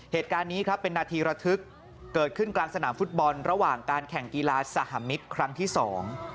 เหตุการณ์นี้ครับเป็นนาทีระทึกเกิดขึ้นกลางสนามฟุตบอลระหว่างการแข่งกีฬาสหมิตรครั้งที่สอง